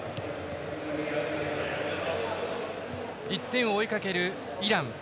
１点を追いかけるイラン。